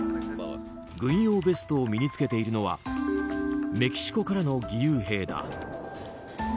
軍用ベストを身に着けているのはメキシコからの義勇兵だ。